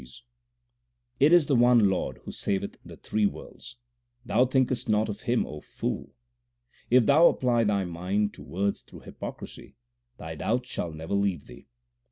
HYMNS OF GURU NANAK 295 It is the one Lord who saveth the three worlds ; thou thinkest not of Him, O fool. If thou apply thy mind to words through hypocrisy, thy doubts shall never leave thee.